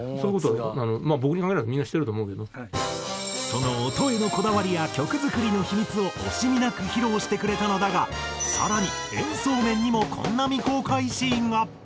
その音へのこだわりや曲作りの秘密を惜しみなく披露してくれたのだが更に演奏面にもこんな未公開シーンが。